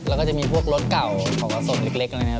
แล้วก็จะมีพวกรถเก่าของกระทรงเล็กอะไรอย่างนี้